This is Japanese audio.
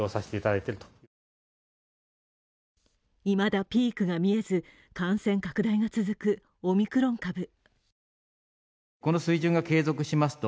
いまだピークが見えず、感染拡大が続くオミクロン株。